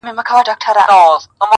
• سړیتوب په ښو اوصافو حاصلېږي..